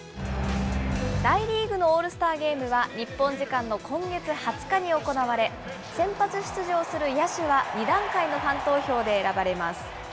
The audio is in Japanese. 大リーグのオールスターゲームは、日本時間の今月２０日に行われ、先発出場する野手は２段階のファン投票で選ばれます。